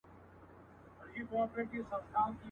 یا مرور دی له تعبیره قسمت.